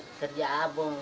saya kerja abong